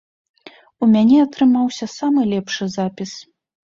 У мяне атрымаўся самы лепшы запіс.